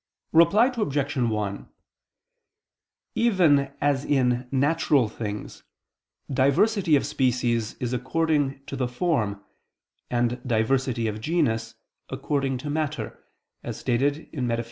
Reply Obj. 1: Even as in natural things, diversity of species is according to the form, and diversity of genus, according to matter, as stated in _Metaph.